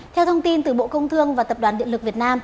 theo thông tin từ bộ công thương và tập đoàn điện lực việt nam